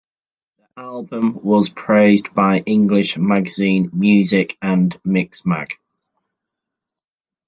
The album was praised by English magazines Muzik and Mixmag.